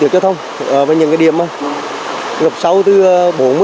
căng cử vào từng điểm ngập lục